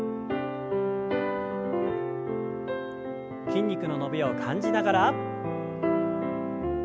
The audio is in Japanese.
筋肉の伸びを感じながら。